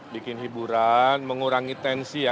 bikin hiburan mengurangi tensi ya